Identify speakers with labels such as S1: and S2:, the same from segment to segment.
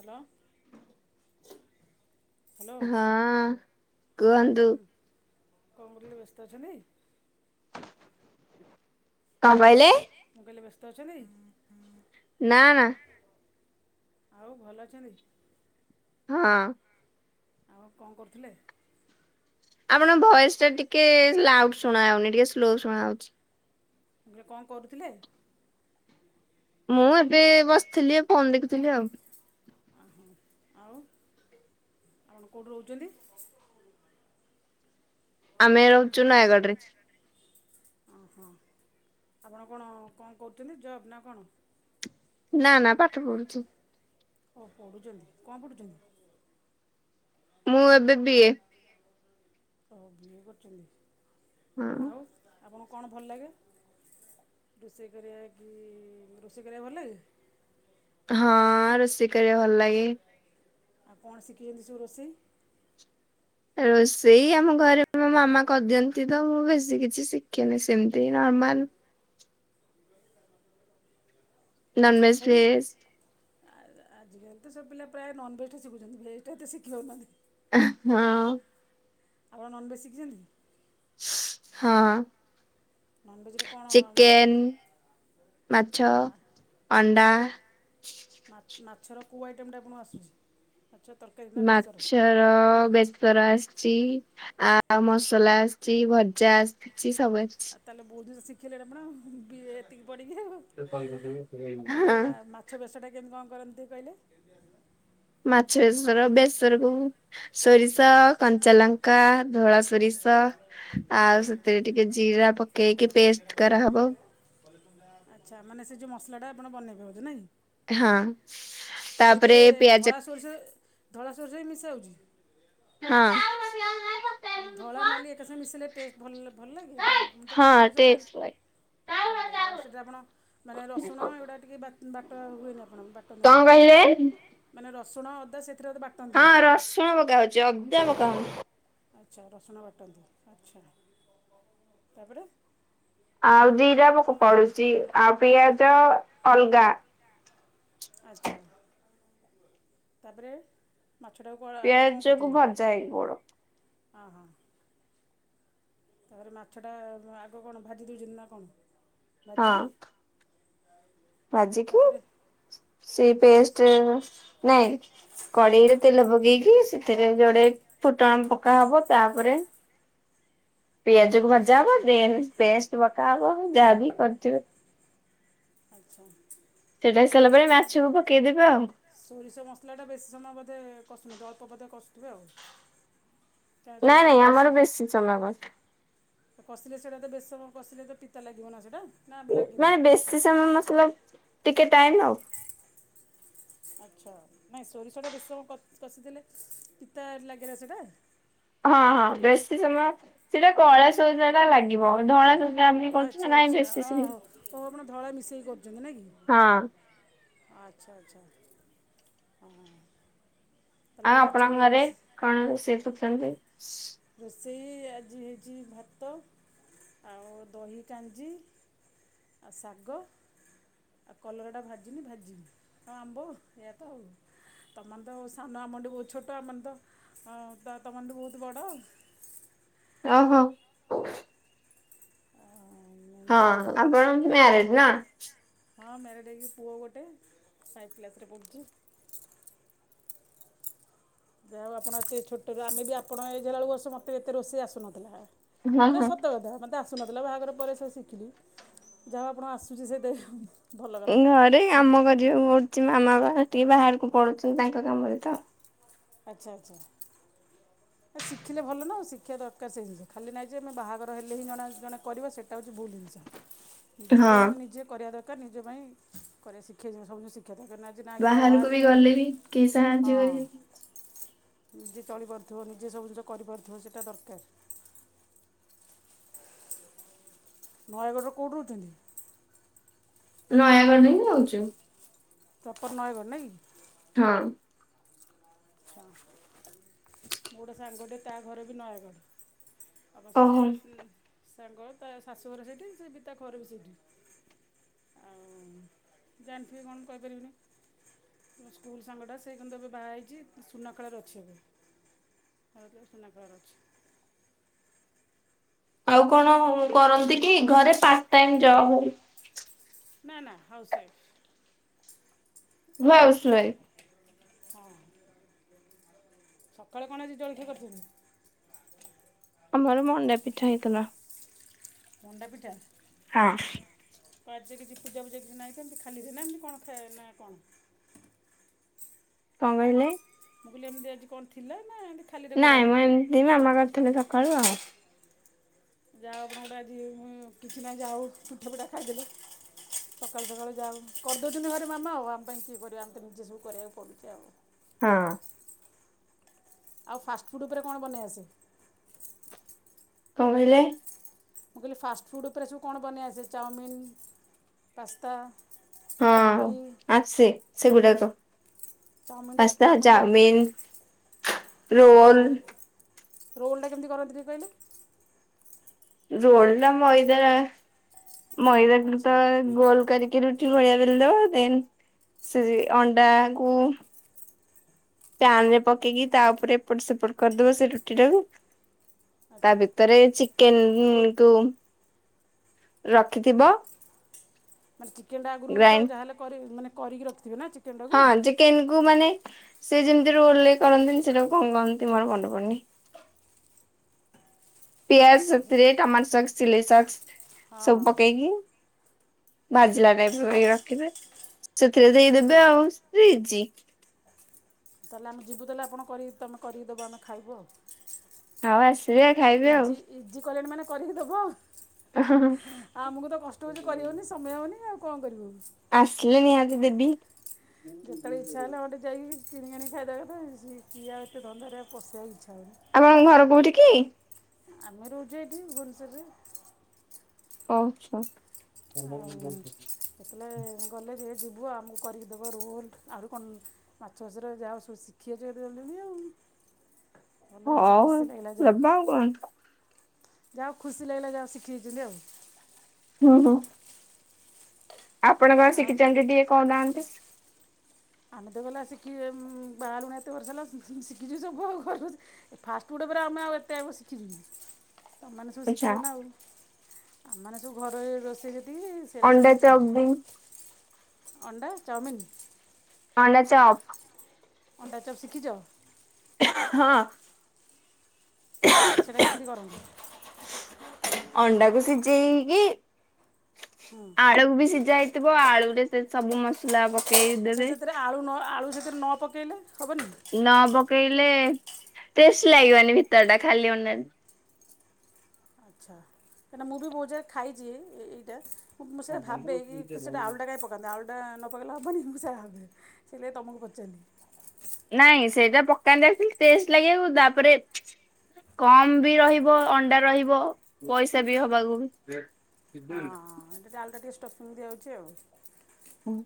S1: Hello. Hello.
S2: ହଁ
S1: ହଁ,
S2: କୁହନ୍ତୁ
S1: ମ୍ୟାଡ଼ାମ କଣ କରଥିଲେ ବ୍ୟସ୍ତ ଅଛନ୍ତି?
S2: କଣ କହିଲେ?
S1: ମୁଁ କହିଲେ ବ୍ୟସ୍ତ ଅଛନ୍ତି?
S2: ନା ନା।
S1: ଆଉ ଭଲ ଅଛନ୍ତି?
S2: ହଁ।
S1: ଆଉ କଣ କରୁଥିଲେ?
S2: ଆପଣ ଭଏସ ଟା ଟିକେ ଲାଉଡ ଶୁଣାହଉନି ଟିକେ ସ୍ଲୋ ଶୁଣା ହଉଛି।
S1: କଣ କରୁଥିଲେ?
S2: ମୁଁ ଏବେ ବସିଥିଲି ଫୋନ ଦେଖୁଥିଲି ଆଉ।
S1: ଓହୋ! ଆଉ ଆପଣ କେଉଁଠୁ ରହୁଛନ୍ତି?
S2: ଆମେ ରହୁଛୁ ନୟାଗଡ଼ ରେ।
S1: ଓହୋ! ଆପଣ କଣ କଣ କରୁଛନ୍ତି ଜବ୍ ନା କଣ?
S2: ନା ନା ପାଠ ପଢୁଛି।
S1: ଓ ପଢ଼ୁଛନ୍ତି କଣ ପଢ଼ୁଛନ୍ତି?
S2: ମୁଁ ଏବେ ବିିଏ।
S1: ହଉ ବିଏ କରୁଛନ୍ତି
S2: ହଁ।
S1: ଆଉ। ଆପଣଙ୍କୁ କଣ ଭଲ ଲାଗେ? ରୋଷେଇ କରିବା କି ରୋଷେଇ କରିବାକୁ ଭଲ ଲାଗେ।
S2: ହଁ, ରୋଷେଇ କରିବାକୁ ଭଲ ଲାଗେ।
S1: ଆଉ କଣ ଶିଖିଛନ୍ତି ସବୁ ରୋଷେଇ?
S2: ରୋଷେଇ ଆମ ଘରେ ମୋ ମାମା କରିଦିଅନ୍ତି ତ ମୁଁ ବେଶୀ କିଛି ଶିଖିନି ସେମିତି ନର୍ମାଲ। ନନଭେଜ
S1: ତଥାପି
S2: ଭେଜ।
S1: ଆଜିକାଲି ତ ସବୁ ପିଲା ପ୍ରାୟ ନନଭେଜ ଟା ଶିଖୁଛନ୍ତି, ଭେଜଟା ଏତେ ଶିଖି ହେଉନାହାନ୍ତି।
S2: ଏ ହଁ।
S1: ଆପଣ ନନଭେଜ୍ ଶିଖିଛନ୍ତି?
S2: ହଁ।
S1: ନନଭେଜରେ କ'ଣ ମାନେ
S2: ଚିକେନ୍, ମାଛ, ଅଣ୍ଡା।
S1: ମାଛର କୋଉ ଆଇଟମ୍ ଟା ଆପଣଙ୍କୁ ଆସୁଛି। ମାଛ ତରକାରି।
S2: ମାଛର ବେଶର ଆସିଛି ଆ ଆଉ ମସଲା ଆସିଛି, ଭଜା ଆସିଛି, ସବୁ ଆସିଛି।
S1: ଆଉ ତାହେଲେ ବହୁତ ଜିନିଷ ଶିଖିଲେଣି ଆପଣ, ଏତିକି ପଡିକି ଆଉ, ଆଉ ତାହେଲେ
S2: ହଁ
S1: ମାଛ ବେଶଟା କେମିତି କଣ କରନ୍ତି କହିଲେ?
S2: ମାଛ ବେସର, ବେସର କୁ ସୋରିଷ, କଞ୍ଚା ଲଙ୍କା, ଧଳା ସୋରିଷ ଆଉ ସେଥିରେ ଟିକେ ଜିରା ପକେଇକି ପେଷ୍ଟ କରାହବ।
S1: ଆଛା, ମାନେ ସେ ଯୋଉ ମସଲା ଟା ଆପଣ ବନେଇବୋଧେ ନାଇଁ?
S2: ହଁ। ତାପରେ
S1: ସେଥିରେ
S2: ପିଆଜ
S1: ଧଳା ସୋରିଷ ଧଳା ସୋରିଷ ବି ମିଶାଯାଉଛି।
S2: ହଁ।
S1: ଧଳା ନାଲି ଏକାସଙ୍ଗେ ମିଶିଲେ ଟେଷ୍ଟ ଭଲ ଭଲ ଲାଗେ ନା ମୁ ଟେ
S2: ହଁ
S1: ମଉସ
S2: ଟେଷ୍ଟ ପାଇଁ
S1: ଖାଇବି। ଭଲ ଲାଗେ, ଆଉ ସେଇଟା ଆପଣ ମାନେ ରସୁଣ ଏଗୁଡ଼ା ଟିକେ ବା ବାଟ ହୁଏନି ଆପଣ, ବାଟ
S2: କଣ କହିଲେ
S1: [unintelligible] ମାନେ ରସୁଣ ଅଦା ସେଥିରେ ବାଟ
S2: ହଁ ରସୁଣ ପକା ହଉଛି, ଅଦା ପକା ହଉନି।
S1: ଆଛା, ରସୁଣ ବାଟନ୍ତି, ଆଛା ତାପରେ
S2: ଆଉ ଜିରା ପକ ପଡୁଛି ଆଉ ପିଆଜ ଅଲଗା।
S1: ଆଛା ତାପରେ ମାଛଟାକୁ କ ଆଗ କଣ
S2: ପିଆଜକୁ ଭଜା ହେଇକି ଗୋଡ
S1: କରୁଛନ୍ତି? ହ ହଁ। ତାପରେ ମାଛଟା ଆଗ କଣ ଭାଜି ଦେଉଛନ୍ତି ନା କଣ
S2: ହଁ
S1: ଭାଜିକି [inaudible]
S2: ଭାଜିକି
S1: ତାପରେ
S2: ସେ
S1: ସୋରିଷ
S2: ପେଷ୍ଟ, ନାଇଁ କଡେଇରେ ତେଲ ପକେଇକି ସେଥିରେ ଯୋଡେ ଫୁଟଣ ପକା ହବ, ତାପରେ ପିଆଜ କୁ ଭଜା ହବ, ଦେନ୍ ପେଷ୍ଟ ପକା ହବ, ଯାହାବି କରିଥିବେ।
S1: ଆଛା।
S2: ସେଟା ହେଇସାରିଲା ପରେ, ମାଛକୁ ପକେଇଦବା ଆଉ।
S1: ସୋରିଷ ମସଲାଟା ବେଶୀ ସମୟ ବୋଧେ କଷୁନ, ଅଳ୍ପ ବୋଧେ କସୁଥିବେ ଆଉ। କାରଣ
S2: ନାଇଁ
S1: ସୋରିଷଟା
S2: ନାଇଁ
S1: ତ
S2: ଆମର ବେଶୀ ସମୟ କସୁ।
S1: କସିଲେ ସେଇଟା ତ ବେଶି ସମୟ କ କସିଲେ ତ ପିତା ଲାଗିବ ନା ସେଇଟା। ନା ଲାଗେନି?
S2: ମାନେ ବେଶୀ ସମୟ ମତଲବ ଟିକେ ଟାଇମ ଆଉ।
S1: ଆଛା, ନାଇଁ ସୋରିଷଟା ବେଶୀ ସମୟ କସିଦେଲେ ପିତା ଲାଗେନା ସେଇଟା।
S2: ହଁ ହଁ ବେଶି ସମୟ ସେଇଟା କଳା ସୋରିଷ ଟା ଲାଗିବ ଧଳା ସୋରିଷ ଆମେ କରୁଛୁ ନା
S1: ଆଛା
S2: ନାଇଁ
S1: ଆଛା,
S2: ବେଶୀ ସମୟ
S1: ଅହୋ ତ ଆପଣ ଧଳା ମିଶେଇକି କରୁ ଜଗାନା
S2: ହଁ।
S1: କି ଆଛା ଆଛା। ତାହେଲେ ଆପଣ
S2: ଆଉ
S1: ମାଛର
S2: ଆପଣଙ୍କ ଘରେ
S1: ରୋଷେ
S2: କଣ ରୋଷେଇ କରୁଛନ୍ତି?
S1: ରୋଷେଇ ଆଜି ହେଇଛି ଭାତ ଆଉ ଦହି କାଞ୍ଜି। ଆଉ ଶାଗ। ଆଉ କଲରଟା ଭାଜିିନି ଭାଜିବି ଆଉ ଆମ୍ବ ଏଇଆ ତ ଆଉ। ତମେ ମାନେ ତ ସାନ, ଆମଠୁ ବହୁତ ଛୋଟ, ଆମେ ମାନେ ତ ତମମାନଠୁ ବହୁତ ବଡ଼।
S2: ଓହୋ।
S1: ଆଉ ଏମିତି ଆଉ
S2: ହଁ ଆପଣ ମ୍ୟାରେଡ ନା?
S1: ହଁ ମ୍ୟାରେଟ୍ ହେଇକି ପୁଅ ଗୋଟେ ଫାଇଭ୍ କ୍ଲାସରେ ପଢ଼ୁଛି। ଯାହାଉ ଆପଣ ଏତେ ଛୋଟରୁ ଆମେ ବି ଆପଣ ଏଜେ ହେଲାବେଳକୁ ବସୁ ମତେ ଏତେ ରୋଷେଇ ଆସୁନଥିଲା।
S2: ହଁ
S1: ପୁର
S2: ହଁ।
S1: ସତ କଥା ମତେ ଆ ସୁନଥିଲା ବାହାଘର ପରେ ସେ ଶିଖିଲି ଯାହା ଆପଣ ଆସୁଛି ସେତେ।
S2: ଘରେ କାମ କରିବାକୁ ପଡୁଛି ମାମା ବା ଟିକେ ବାହାରକୁ ପଡୁଛନ୍ତି ତାଙ୍କ କାମରେ ତ।
S1: ଆଚ୍ଛା ଆଚ୍ଛା। ଏ ଶିଖିଲେ ଭଲ ନା ଆ ଶଖିବା ଦରକାର ସେ ଜିନିଷ ଖାଲି ନହିଁ ଯେ ଆମେ ବାହାର ହେଲେ ହିଁ ଜଣେ ଜଣେ କରିବା ସେଇଟା ହେଉଛି ଭୁଲ ଜିନିଷ। ନିଜ ପାଇଁ
S2: ହଁ
S1: ଜଣେ ନିଜେ କରିବା ଦରକାର ନିଜ ପାଇଁ କରିବା ଶିଖେଇ ସବୁ ଶିଖିବା ଦରକାର ନା। ଯେନାକି
S2: ବାହାରକୁ ବି
S1: ବାହାରିଲେ
S2: ଗଲେ ବି କେହି ସାହାଯ୍ୟ
S1: ହଁ।
S2: କରିବେନି
S1: ନିଜେ ଚଳିପାରୁଥିବ ନିଜେ ସବୁ ଜିନିଷ କରିପାରୁଥିବ ସେଇଟା ଦରକାର। ନୟାଗଡ଼ର କୋଉଠି ରହୁଛନ୍ତି?
S2: ନୟାଗଡ଼ରେ ହିଁ ଯାଉଛୁ।
S1: ଚପର ନଏ ଘ ନା କି?
S2: ହଁ।
S1: ମୁଁ ଗୋଟେ ସାଙ୍ଗଟି ତା ଘରେ ବି ନୟାଗଡ଼। ଅବଶ୍ୟ
S2: ଓହୋ
S1: ସେ ବି ସାଙ୍ଗ ତା ଶାଶୁଘର ସେଇଠି ସେ ପିତା ଘର ବି ସେଇଠି। ଆଉ ଜାଣିଥିବେ କଣ କହିପାରିବିନି? ମୋ ସ୍କୁଲ ସାଙ୍ଗଟା ସେ କିନ୍ତୁ ଏବେ ବାହା ହେଇଛି ସୁନା କାଳର ଅଛି ଏବେ ସୁନା କାଳ ରେ ଅଛି।
S2: ଆଉ କଣ କରନ୍ତି କି ଘରେ ପାର୍ଟ ଟାଇମ ଜବ ହଉ।
S1: ନା ନା ହାଉସୱାଇଫ।
S2: House wife.
S1: ହଁ ସକାଳେ କଣ ଆଜି ଜଳଖିଆ କରିଥିଲ?
S2: ଆମର ମଣ୍ଡା ପିଠା ହେଇଥିଲା।
S1: ମଣ୍ଡା ପିଠା।
S2: ହଁ।
S1: ତ ଆଜି କିଛି ପୂଜା ପୂଜା କିଛି ନାଇଁ ତ ଏମିତି ଖାଲି ଯେ ନା ଏମିତି କଣ ଖା ନା କଣ?
S2: କଣ କହିଲେ?
S1: ମୁଁ କହିଲି ଏମିତି ଆଜି କଣ ଥିଲା ନା ଏମ୍ ତି
S2: ନାଇଁ ମୁଁ ଏମିତି ମାମା କରିଥିଲି ସକାଳୁ ଆଉ।
S1: ଯାାଉ କଁ ଟେ ଆଜି ହଁ କିଛି ନା ଯାଉ ପିଠା ପିଠା ଖାଇଦେଲେ। ସକାଳୁ ସକାଳୁ ଯାଉ କରିଦେଉଛନ୍ତି ଘରେ ମାମା ଆଉ ଆମ ପାଇଁ କିଏ କରିବା ଆମେ ନିଜେ ସବୁ କରିବାକୁ ପଡ଼ୁଛି ଆଉ।
S2: ହଁ।
S1: ଆଉ ଫାଷ୍ଟଫୁଡ଼୍ ଉପରେ କଣ ବନେଇ ଆସେ।
S2: କଣ କହିଲେ?
S1: ମୁଁ କହିଲି ଫାଷ୍ଟଫୁଡ଼୍ ଉପରେ ସବୁ କଣ ବନେଇ ଆସେ ଚାଓମିନ୍, ପାସ୍ତା।
S2: ହଁ
S1: ମ୍ୟାଗି
S2: ଆସେ ସେଗୁଡାକ।
S1: ଚାଉମିନଟା
S2: ପସ୍ତା,
S1: ଚାଉମିନଟା
S2: ଚାଉମିନ।
S1: ସେ ରୋଲଟା କେମିତି କରନ୍ତି ଟିକେ କହିଲେ?
S2: ରୋଲ୍ଟା ମଇଦା ମଇଦାକୁ
S1: ଆଚ୍ଛା
S2: ତ ଗୋଲ କରିକି ରୁ ଟି ଭଳିଆ ବେଲ୍ ଦବ ଦେନ୍ ସେ ଅଣ୍ଡା କୁ ପ୍ୟାନ ରେ ପକେଇକି ତା ଉପରେ ଏପଟ ସେପଟ କରିଦବ ସେ ରୁଟି ଟାକୁ ତା
S1: ଆଚ୍ଛା।
S2: ଭିତରେ ଚିକେନକୁ ରଖିଥିବ।
S1: ମାନେ ଚିକେନଟା ଆଗରୁ ତ
S2: ଗ୍ରାଇଣ୍ଡ
S1: ଯାହେଲେ କରି ମାନ କରିକି ରଖଥିବେ ନା ଚି
S2: ହଁ ଯେ କେନ କୁ ମାନେ ସେ ଯେମିତି ରୋଲରେ କରନ୍ତିନ ସେଟାକୁ କଣ କହନ୍ତି ମୋର ମନ ପଡୁନି। ପିଆଜ ସେଥିରେ ଟମାଟୋ ସକ୍ସ ଚିଲି ସକ୍ସ
S1: ହଁ
S2: ସବୁ
S1: ହଁ
S2: ପକେଇକି ଭାଜିଲା ଟାଇପ୍ ର କରି ରଖିବେ ସେଥିରେ
S1: ଆଚ୍ଛା।
S2: ଦେଇଦେବେ ଆଉ ଇ ଜି।
S1: ତାହେଲେ ଆମେ ଯିବୁ ତାହେଲେ ଆପଣ କରି ତମେ କରିକି ଦେବ ଆମେ ଖାଇବୁ ଆଉ।
S2: ଆଉ ଆସିବେ ଖାଇବେ ଆଉ।
S1: ଆଜି କହିଲେଣି ମାନେ କରିକି ଦବ ଆଉ
S2: ହଁ ହଁ
S1: ଆମକୁ ତ କଷ୍ଟ ହଉଛି କରିହଉନି ସମୟ ହଉନି ଆଉ କଣ କରିବୁ ହୁଁ।
S2: ଆସିଲେ ନିହାତି ଦେବି।
S1: ଯେତେବେଳେ ଇଚ୍ଛା ହେଲା ଗୋଟେ ଯାଇକ କିଣିକି ଆଣିକି ଖାଇଦବା କଥା ସି କିଏ ଆଉ ଏତେ ଧନ୍ଦାରେ ଆଉ ପଶିବାକୁ ଇଚ୍ଛା ହଉନି‌।
S2: ଆପଣଙ୍କ ଘର କୋଉଠି କି?
S1: ଆମେ ରହୁଛୁ ଏଠି ଭୁବନେଶ୍ୱରରେ।
S2: ପାଉଛୁ।
S1: ଆଉ ଯେତେବେଳେ ଗଲେ ଟୀକେ ଯିବୁ ଆମକୁ କରିକି ଦେବ ରୋଲ୍ଟ ଆହୁରି କନ ମାଛ ବେସରେ ଯା ହଉ ସବୁ ସିଖି ଯାଇଛୁ ଏତେ ଜଲ୍ଦୀ ଜଲ୍ଦୀ ଆଉ। ଭଲ ଜିନିଷ
S2: ହଉ
S1: ଖୁସି ଲାଗିଲା ଯା ହଉ
S2: ଦବା ଆଉ କଣ
S1: ଯାହା ଖୁସି ଲାଗିଲା ଯାହା ଶିଖିଯାଇଛି ଆଉ।
S2: ହୁଁ ହୁଁ ଆପଣ କଣ
S1: ଆଉ
S2: ଶିକିଚନ୍ତି ଟିକେ କ‌ହୁ ନାହାନ୍ତି।
S1: ଆମେ ତ ଗଲା ଶିକି ବାହାହେଲୁଣି ଏତେ ବର୍ଷ ହେଲା ଶିକିଚୁ ସବୁ ଆଉ [unintelligible] ଏ ଫାଷ୍ଟ ଫୁଡ ଉପରେ ଆମେ ଆଉ ଏତେ ଆଉ ଶିଖିଛୁ କି? ତମାନେ ସବୁ
S2: ଆଚ୍ଛା
S1: ଶିଖିବ ନା ଆଉ ଆମେମାନେ ସବୁ ଘରୋଇ ରୋଷେଇ ଯେତିକି ସେରା ସବୁ
S2: ଅଣ୍ଡା ଚପ୍ ବି
S1: ଶିଖିଛି ଅଣ୍ଡା ଚାଉମିିନ।
S2: ଅଣ୍ଡା ଚପ୍।
S1: ଅଣ୍ଡା ଚପ୍ ଶିଖିଛ?
S2: ହଁ। [inaudible]
S1: ସେଟା କେମିତି କରନ୍ତି?
S2: ଅଣ୍ଡାକୁ ସିଜେ ଇକି। ଆଳୁ ବି ସିଝା ହେଇଥିବ ଆଳୁ ରେ ସେ ସବୁ ମସଲା ପ
S1: ଆଚ୍ଛା ସେଥିରେ ଆଳୁ ନ ଆଳୁ ସେଥିରେ ନ ପକେଇଲେ ହବନି?
S2: ନ ପକେଇଲେ ଟେଷ୍ଟ ଲାଗିବନି ଭିତର ଟା ଖାଲି ଅଣ୍ଡାରେ।
S1: ଆଚ୍ଛା କାହିଁକି ନାଁ ମୁଁ ବି ବହୁଜାଗା ଖାଇଛି ଏଇଟା। ମୁଁ ସେଇଆ ଭାବେ ଇ କି ସେଟା ଆଳୁଟା କାଇଁ ପ କାନ୍ତି ଆଳୁଟା ନ ପକେଇଲେ ହବନି ମୁଁ ସେଇଆ ଭାବେ ସେଇ ଲାଗି ତମକୁ ପଚାରିଲି।
S2: ନାଇଁ ସେଇଟା ପକାନ୍ତି ଏକ୍ଟୁଆଲୀ ଟେଷ୍ଟ ଲାଗିବାକୁ ତାପରେ କମ୍ ବି ରହିବ ଅଣ୍ଡା ରହିବ ପଇସା ବି ହବାକୁ
S1: ହଁଁ ଏଟା ଟିକେ ଆଳୁଟା ଟିକେ ଷ୍ଟଫିଙ୍ଗ ଦିଆହଉଛି ଆଉ।
S2: ଉଁ।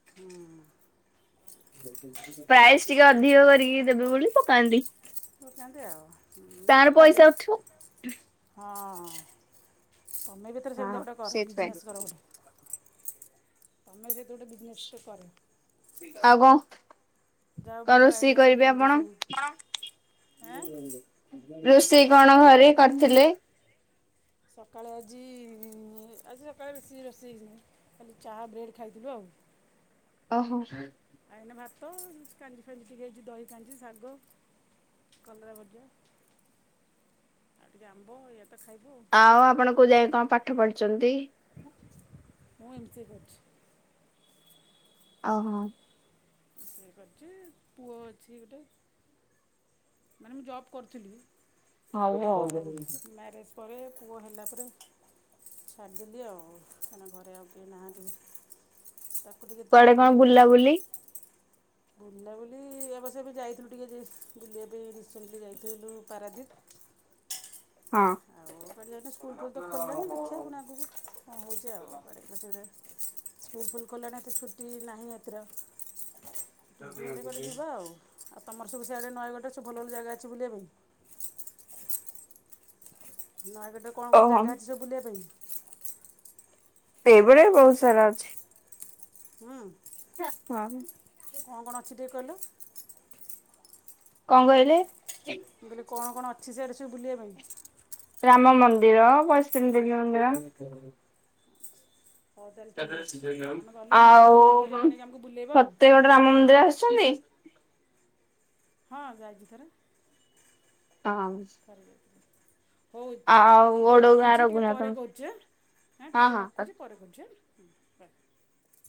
S1: ହୁଁ।
S2: ପ୍ରାଇସ ଟିକେ ଅଧିକ କରିକି ଦେବେ ବୋଲି ପକାନ୍ତି।
S1: ପକାନ୍ତି ଆଉ
S2: ତାର
S1: ଭଲ ଲାଗେ।
S2: ପଇସା ଉଠିବ।
S1: ହଁ ତମେ ବି ଏଥର
S2: ହଁ
S1: ସେମିତିଆ ଗୋଟେ କର
S2: ସେଇଥିପାଇଁ
S1: ବିଜନେସ୍ କର ଗୋଟେ। ତମେ ଯେହେତୁ ଗୋଟେ ବିଜନେସ୍ ଟେ କର।
S2: ଆଉ କ
S1: ଯାହା ହଉ ଭଲ ଆଇଡିଆ ସବୁ ଜାଣିଛ ସବୁ କଣ ଆଁ।
S2: ରୋଷେଇ କଣ ଘରେ କରିଥିଲେ?
S1: ସକାଳେ ଆଜି ଆଜି ସକାଳେ ବେଶୀ ରୋଷେଇ ହେଇ ନି। ଖାଲି ଚା ବ୍ରେଡ଼୍ ଖାଇଥିଲୁ ଆଉ।
S2: ଓହୋ ସେ
S1: ଆ ଏଇନା ଭାତ କାଞ୍ଜି ଫାଞ୍ଜି ଟିକେ ହେଇଛି ଦହି କାଞ୍ଜି ଶାଗ କଲରା ଭଜା ଆଉ ଟିକେ ଆମ୍ବ ଏଇଆ ତ ଖାଇବୁ ଆଉ।
S2: ଆଉ ଆପଣ କୋଉ ଯାଏ କଣ ପାଠ ପଢିଛନ୍ତି?
S1: ମୁଁ ଏମ୍ ସିଏ କରିଛି।
S2: ଓହୋ।
S1: [unintelligible] କରିଛି ପୁଅ ଅଛି ଗୋଟେ। ମାନେ ମୁଁ ଜବ୍ କରୁଥିଲି
S2: ହଉ
S1: ତ
S2: ଆଉ
S1: ମ୍ୟାରେଜ ପରେ ପୁଅ ହେଲା ପରେ ଛାଡ଼ିିଦେଲି ଆଉ କାହିଁକି ନା ଘରେ ଆଉ କେହି ନାହାଁନ୍ତି।
S2: କୁଆଡେ କଣ ବୁଲା ବୁଲି
S1: ବୁଲାବୁଲି ଏବର୍ଷ ଏବେ ଯାଇଥିଲୁ ଟିକେ ଯେ ବୁଲିବା ପାଇଁ ରିସେଣ୍ଟଲି ଯାଇଥିଲୁ ପାରାଦ୍ୱୀପ।
S2: ହଁ
S1: ଆଉ କୁଆଡେ ଯାଉନି ସ୍କୁଲ ଫୁଲ ତ ଖୋଲିଲାନି ଦେଖିବାକୁ ପୁଣି ଆଗକୁ କଣ ହୋଉଚି ଆଉ କରି ନଥିଲେ ସ୍କୁଲ ଫୁଲ ଖୋଲିଲାଣି ଏତେ ଛୁଟି ନାହିଁ ଏଥିର। ଯୋଉଠି ହେଲେ କୁଆଡେ ଯିବା ଆଉ ଆଉ ତମର ସବୁ ସିଆଡ଼େ ନୟାଗଡ଼ରେ ସବୁ ଭଲ ଭଲ ଜାଗା ଅଛି ବୁଲିବା ପାଇଁ? ନୟାଗଡ଼ରେ କଣ କଣ
S2: ଓହୋ
S1: ଜାଗା ଅଛି ସବୁ ବୁଲିବା ପାଇଁ?
S2: ଏଇଭଳିଆ ବି ବୋହୁତ ସାରା ଅଛି।
S1: ହୁଁ।
S2: ଚା ହଁ।
S1: କଣ କଣ ଅଛି ଟିକେ କହିଲୁ?
S2: କଣ କହିଲେ?
S1: ମୁ କହିଲି କଣ କଣ ଅଛି ସିଆଡେ ସବୁ ବୁଲିବା ପାଇଁ?
S2: ରାମ ମନ୍ଦିର, ବୈଷ୍ଣବୀ ଦେବୀ ମନ୍ଦିର।
S1: ହଉ ତାହେଲେ ଠିକ୍ ଅଛି ଆମେ ଗଲେ ମୁଁ
S2: ଆଉ
S1: ଆପଣଙ୍କୁ ଫୋନ୍ କରି
S2: ଉଁ
S1: ଆମେ ନେଇକି ଆମକୁ ବୁଲେଇବ ଆଉ
S2: ପତେଗଡ ରାମ ମନ୍ଦିର ଆସିଚନ୍ତି?
S1: ହଁ ଯାଇଚି ଥରେ।
S2: ହଁ ସ୍
S1: [inaudible] ହୋଉ ମୁଁ ଟିକିଏ
S2: ଓଡଗାଁ
S1: ରଖୁଚି ଟିକେ
S2: ରଘୁନାଥ
S1: ପରେ କରୁଚି ଆଁ ଆଁ
S2: ହଁ
S1: ଟିକେ
S2: ହଁ
S1: ରଖୁଚି ପରେ କରୁଛ ଆଁ ହଁ।